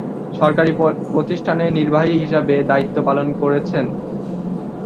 সরকারি প্রতিষ্ঠানে নির্বাহী হিসেবে দায়িত্ব পালন করেছেন।